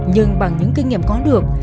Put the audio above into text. nhưng bằng những kinh nghiệm có được